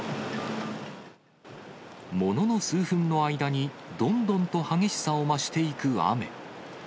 ものの数分の間に、どんどんと激しさを増していく雨。